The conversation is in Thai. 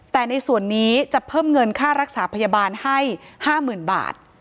แต่ในส่วนนี้จะเพิ่มเงินค่ารักษาพยาบาลให้๕๐๐๐บาท